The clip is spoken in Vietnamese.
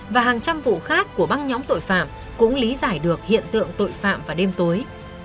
và hàng trăm vụ khác của băng nhóm tội phạm cũng lý giải được hiện tượng tội phạm vào đêm tối